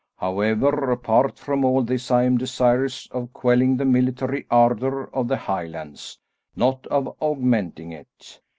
However, apart from all this I am desirous of quelling the military ardour of the Highlands, not of augmenting it.